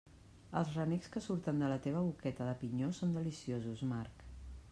Els renecs que surten de la teva boqueta de pinyó són deliciosos, Marc.